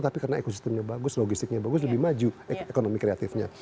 tapi karena ekosistemnya bagus logistiknya bagus lebih maju ekonomi kreatifnya